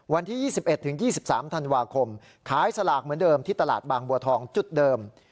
วันที่๒๑๒๓ธันวาคมขายสลากเหมือนเดิมที่ตลาดบางบัวทองจุดเดิม